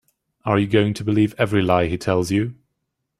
Are you going to believe every lie he tells you?